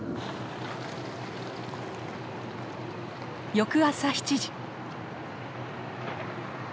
翌朝７時。